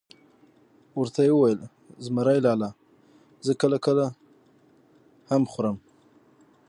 ورته وئې ویل: زمرى لالا زه کله کله غول هم خورم .